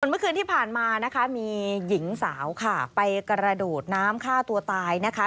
เมื่อคืนที่ผ่านมานะคะมีหญิงสาวค่ะไปกระโดดน้ำฆ่าตัวตายนะคะ